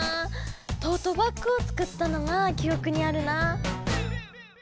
トートバッグを作ったのがきおくにあるな。